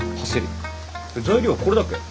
材料はこれだけ？